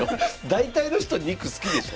大体の人肉好きでしょ。